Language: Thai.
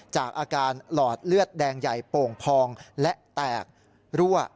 จากอาการหลอดเลือดแดงใหญ่โป่งพองและแตกรั่ว